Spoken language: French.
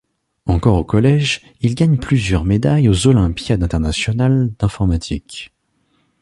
Encore au collège, il gagne plusieurs médailles aux Olympiades internationales d'informatique.